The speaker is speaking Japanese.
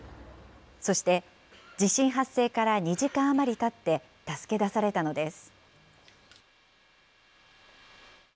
そして、地震発生から２時間余りたって助け出されたのです。